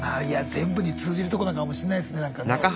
いや全部に通じるとこなのかもしれないですねなんかね。